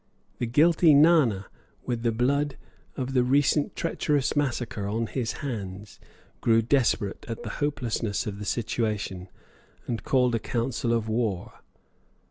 The guilty Nana, with the blood of the recent treacherous massacre on his hands, grew desperate at the hopelessness of the situation, and called a council of war.